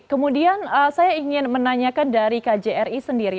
kemudian saya ingin menanyakan dari kjri sendiri